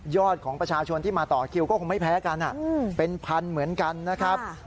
อดของประชาชนที่มาต่อคิวก็คงไม่แพ้กันเป็นพันเหมือนกันนะครับ